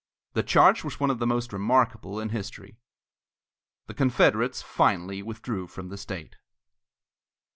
The charge was one of the most remarkable in history. The Confederates finally withdrew from the state.